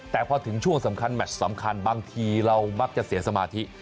แต่พอถึงช่วงสำคัญแมชสำคัญบางทีเรามักจะเสียสมาธิ